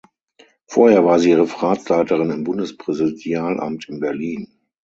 Vorher war sie Referatsleiterin im Bundespräsidialamt in Berlin.